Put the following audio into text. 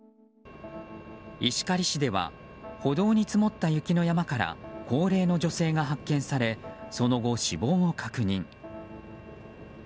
石狩市では歩道に積もった雪の山から高齢の女性が発見されその後、死亡を確認。